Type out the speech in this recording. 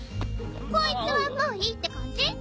こいつはもういいって感じ？